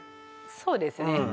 そうですね